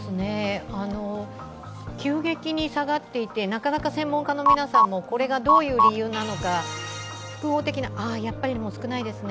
急激に下がっていてなかなか専門家の皆さんもこれがどういう理由なのか、複合的なやっぱり少ないですね。